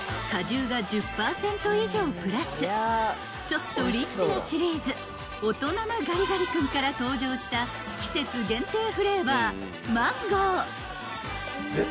ちょっとリッチなシリーズ大人なガリガリ君から登場した季節限定フレーバーマンゴー］